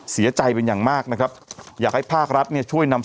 เสียใจเป็นอย่างมากนะครับอยากให้ภาครัฐเนี่ยช่วยนำ